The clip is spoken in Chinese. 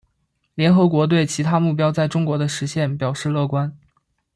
联合国对其他目标在中国的实现表示乐观。